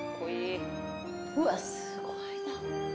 うわっすごいな。